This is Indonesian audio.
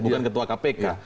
bukan ketua kpk